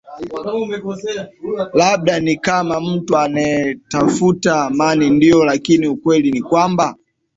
labda ni kama mtu anaetafuta amani ndio lakini ukweli ni kwamba